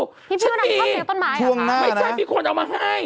พี่พี่หนุ่มก็มีต้นไม้หรอคะช่วงหน้านะไม่ใช่มีคนเอามาให้